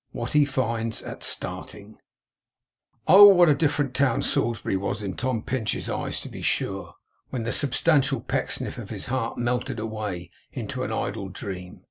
WHAT HE FINDS AT STARTING Oh! What a different town Salisbury was in Tom Pinch's eyes to be sure, when the substantial Pecksniff of his heart melted away into an idle dream!